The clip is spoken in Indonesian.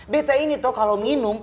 betah ini tuh kalau minum